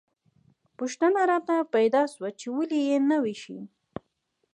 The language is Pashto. پوښتنه راته پیدا شوه چې ولې یې نه ویشي.